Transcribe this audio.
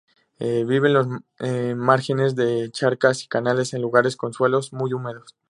Vive en los márgenes de charcas y canales, en lugares con suelos muy húmedos.